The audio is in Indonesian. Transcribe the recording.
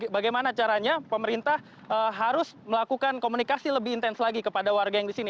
bagaimana caranya pemerintah harus melakukan komunikasi lebih intens lagi kepada warga yang di sini